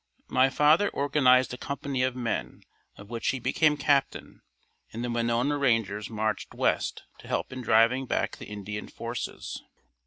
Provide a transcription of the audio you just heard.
My father organized a company of men of which he became captain and the Winona Rangers marched west to help in driving back the Indian forces.